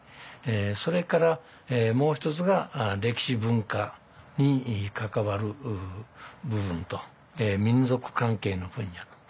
それからもう一つが歴史文化に関わる部分と民俗関係の分野と。